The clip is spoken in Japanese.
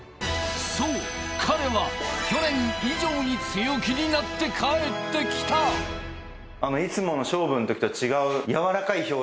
そう彼は去年以上に強気になって帰ってきたいつものははははっ